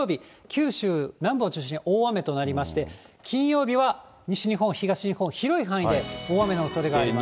九州南部を中心に、大雨となりまして、金曜日は西日本、東日本、広い範囲で大雨のおそれがあります。